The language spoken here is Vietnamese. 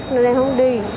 nên em không đi